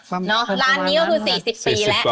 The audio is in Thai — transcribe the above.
ร้านนี้ก็คือ๔๐ปีแล้ว